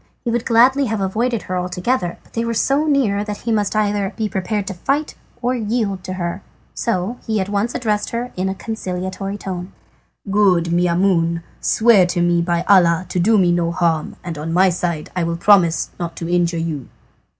He would gladly have avoided her altogether, but they were so near that he must either be prepared to fight or yield to her, so he at once addressed her in a conciliatory tone: "Good Maimoune, swear to me by Allah to do me no harm, and on my side I will promise not to injure you."